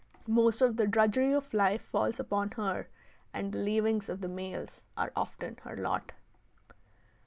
Most of the drudgery of life falls upon her, and the leavings of the males are often her lot.